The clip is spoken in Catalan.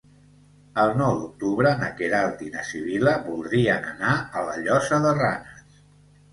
El nou d'octubre na Queralt i na Sibil·la voldrien anar a la Llosa de Ranes.